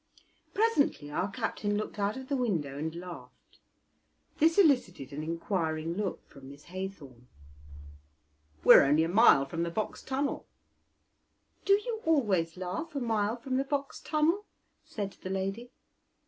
Presently our captain looked out of the window and laughed; this elicited an inquiring look from Miss Haythorn. "We are only a mile from the Box Tunnel." "Do you always laugh a mile from the Box Tunnel?" said the lady.